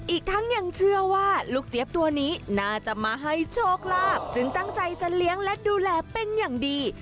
อีกทั้งยังเชื่อว่าลูกเจี๊ยบตัวนี้น่าจะมาให้โชคลาภจึงตั้งใจจะเลี้ยงและดูแลเป็นอย่างดี